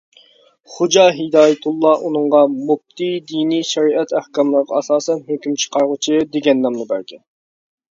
خوجا ھىدايەتۇللا ئۇنىڭغا «مۇپتى» (دىنىي شەرىئەت ئەھكاملىرىغا ئاساسەن ھۆكۈم چىقارغۇچى) دېگەن نامنى بەرگەن.